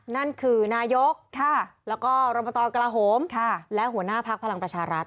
นั่นคือนายกแล้วก็รบตกระลาโหมและหัวหน้าพักพลังประชารัฐ